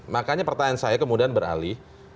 makanya pertanyaan saya kemudian beralih